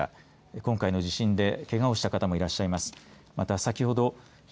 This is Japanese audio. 今回の地震でけがをした方もいらっしゃいます。